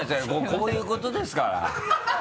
こういうことですから。